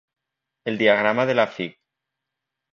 El diagrama de la Fig.